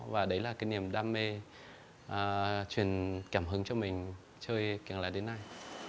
và đấy là cái niềm đam mê truyền cảm hứng cho mình chơi kiểng lá đến nay